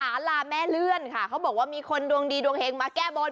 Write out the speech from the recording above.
ลาแม่เลื่อนค่ะเขาบอกว่ามีคนดวงดีดวงเฮงมาแก้บน